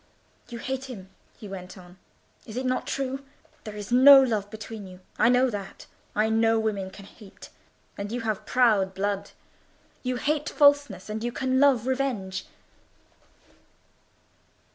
"You hate him," he went on. "Is it not true? There is no love between you; I know that. I know women can hate; and you have proud blood. You hate falseness, and you can love revenge."